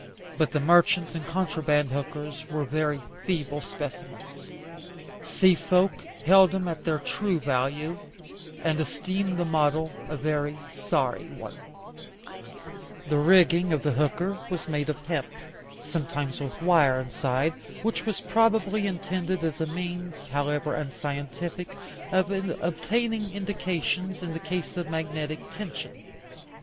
But the merchant and contraband hookers were very feeble specimens. Sea folk held them at their true value, and esteemed the model a very sorry one, The rigging of the hooker was made of hemp, sometimes with wire inside, which was probably intended as a means, however unscientific, of obtaining indications, in the case of magnetic tension.